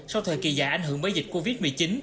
sau thời kỳ dài ảnh hưởng bởi dịch covid một mươi chín